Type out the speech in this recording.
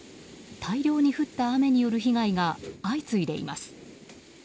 大量に降った雨による被害が相次いでいます。